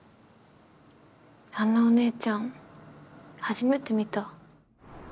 あんなお姉ちゃん初めて見た。